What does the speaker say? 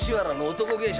男芸者？